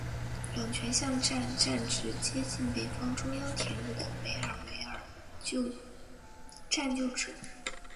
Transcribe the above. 冷泉巷站站址接近北方中央铁路的梅尔维尔站旧址。